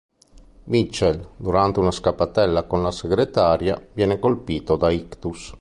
Mitchell, durante una scappatella con una segretaria, viene colpito da ictus.